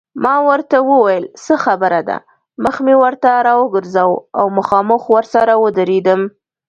ما ورته وویل څه خبره ده، مخ مې ورته راوګرځاوه او مخامخ ورسره ودرېدم.